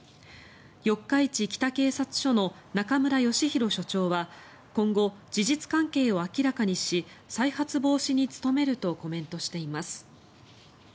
四日市北警察署の中村義弘署長は今後、事実関係を明らかにし再発防止に努めるとコメントしています。